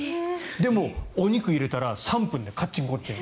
でも、お肉を入れたら３分でカチンコチン。